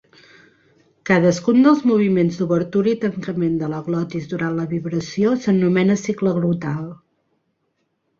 Cadascun dels moviments d'obertura i tancament de la glotis durant la vibració s'anomena cicle glotal.